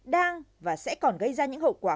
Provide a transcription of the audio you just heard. đang và sẽ còn gây ra những hậu quả